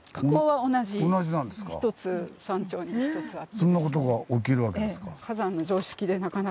そんなことが起きるわけですか。